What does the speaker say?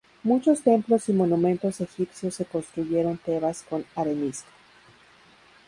Muchos templos y monumentos egipcios se construyeron Tebas con arenisca.